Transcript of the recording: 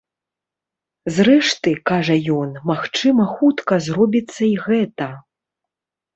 Зрэшты, кажа ён, магчыма хутка зробіцца і гэта.